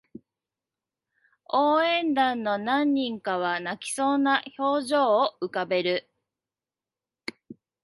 応援団の何人かは泣きそうな表情を浮かべる